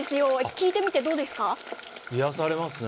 聞いてみて、どうですか？